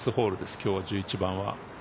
今日は１１番は。